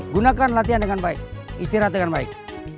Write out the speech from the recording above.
gunakan latihan dengan baik istirahat dengan baik